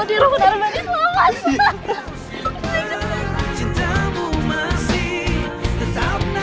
selamat ya roman armani selamat